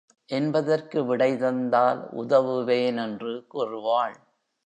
என்பதற்கு விடை தந்தால் உதவுவேன் என்று கூறுவாள்.